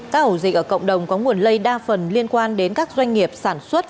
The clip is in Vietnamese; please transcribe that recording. các ổ dịch ở cộng đồng có nguồn lây đa phần liên quan đến các doanh nghiệp sản xuất